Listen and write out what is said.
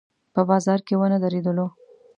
په بازار کې ونه درېدلو.